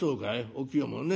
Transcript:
お清もね。